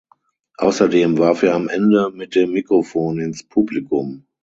Außerdem warf er am Ende mit dem Mikrofon ins Publikum.